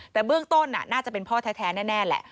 แต่เบื้องต้นน่าจะเป็นพ่อแท้แน่แหละ